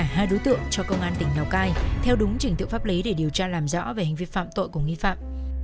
cơ quan công an trung quốc đã trao trả hai đối tượng cho công an tỉnh nào cai theo đúng trình tượng pháp lý để điều tra làm rõ về hình vi phạm tội của nghi phạm